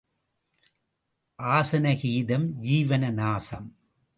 ஆசன கீதம் ஜீவன நாசம்.